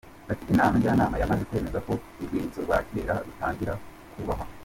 Ati “Inama njyanama yamaze kwemeza ko urwibutso rw’akarere rutangira kubakwa.